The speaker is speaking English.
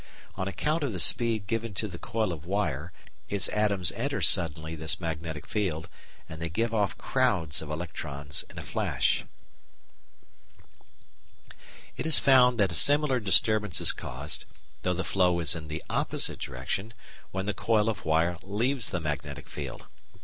On account of the speed given to the coil of wire its atoms enter suddenly this magnetic field, and they give off crowds of electrons in a flash. It is found that a similar disturbance is caused, though the flow is in the opposite direction, when the coil of wire leaves the magnetic field.